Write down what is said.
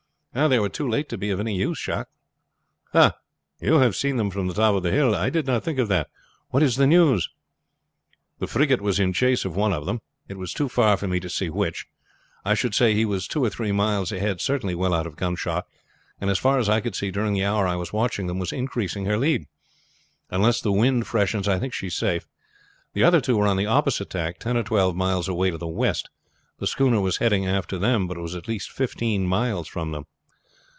"They were too late to be of any use, Jacques." "Ah! you have seen them from the top of the hill. I did not think of that. What is the news?" "The frigate was in chase of one of them. It was too far for me to see which. I should say he was two or three miles ahead, certainly well out of gunshot, and as far as I could see during the hour I was watching them, was increasing her lead. Unless the wind freshens I think she is safe. The other two were on the opposite tack, ten or twelve miles away to the west. The schooner was heading after them, but was at least fifteen miles from them."